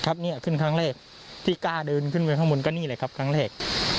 เนี่ยขึ้นครั้งแรกที่กล้าเดินขึ้นไปข้างบนก็นี่เลยครับครั้งแรก